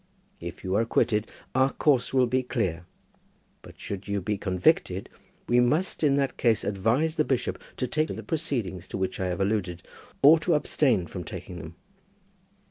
If you are acquitted, our course will be clear. But should you be convicted, we must in that case advise the bishop to take the proceedings to which I have alluded, or to abstain from taking them.